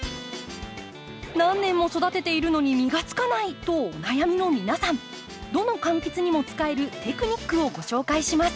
何年も育てているのに実がつかないとお悩みの皆さんどの柑橘にも使えるテクニックを紹介します。